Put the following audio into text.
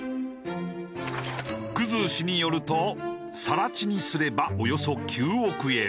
生氏によると更地にすればおよそ９億円。